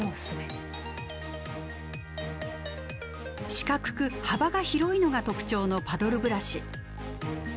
四角く幅が広いのが特徴のパドルブラシ。